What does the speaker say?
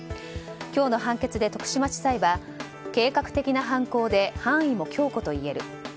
今日の判決で徳島地裁は計画的な犯行で犯意も強固といえる。